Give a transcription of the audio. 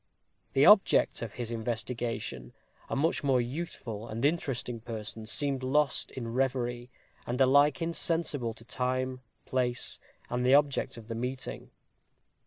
The object of his investigation, a much more youthful and interesting person, seemed lost in reverie, and alike insensible to time, place, and the object of the meeting.